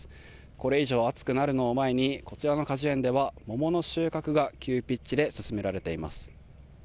これ以上暑くなるのを前に、こちらの果樹園では、桃の収穫が急ピッチで進められています。